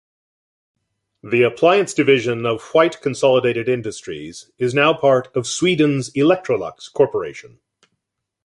The appliance division of White Consolidated Industries is now part of Sweden's Electrolux Corporation.